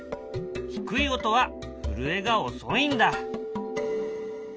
低い音は震えが遅いんだ。